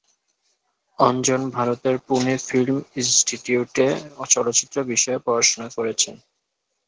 অঞ্জন ভারতের পুনে ফিল্ম ইন্সটিটিউটে চলচ্চিত্র বিষয়ে পড়াশুনা করেছেন।